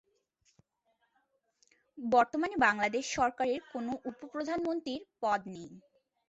বর্তমানে বাংলাদেশ সরকারের কোনো উপ-প্রধানমন্ত্রীর পদ নেই।